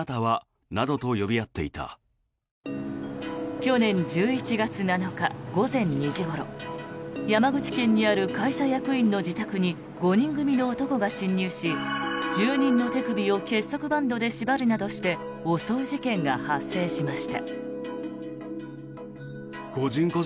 去年１１月７日午前２時ごろ山口県にある会社役員の自宅に５人組の男が侵入し住人の手首を結束バンドで縛るなどして襲う事件が発生しました。